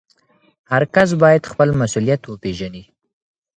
هر کس باید خپل مسؤلیت وپېژني.